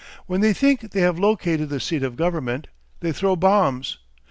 When they think they have located the seat of government, they throw bombs.